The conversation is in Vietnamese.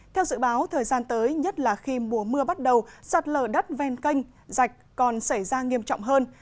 theo dự báo thời gian tới nhất là khi mùa mưa bắt đầu sạt lở đất ven canh rạch còn xảy ra nghiêm trọng hơn